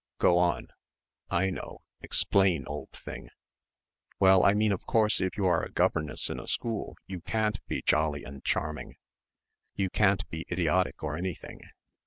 Go on. I know. Explain, old thing." "Well, I mean of course if you are a governess in a school you can't be jolly and charming. You can't be idiotic or anything....